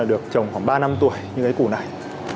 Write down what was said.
được trồng khoảng ba năm tuổi như cái củ này